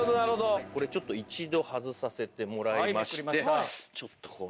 これちょっと一度外させてもらいましてちょっとこうね